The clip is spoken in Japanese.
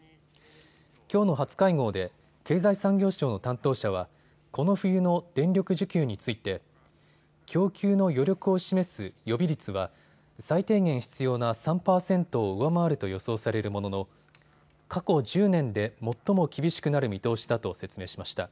きょうの初会合で経済産業省の担当者はこの冬の電力需給について供給の余力を示す予備率は最低限必要な３％を上回ると予想されるものの過去１０年で最も厳しくなる見通しだと説明しました。